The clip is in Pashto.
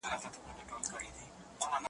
برېښنا، تالندي، غړومبی او جګ ږغونه ,